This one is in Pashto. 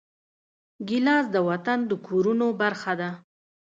ګیلاس د وطن د کورونو برخه ده.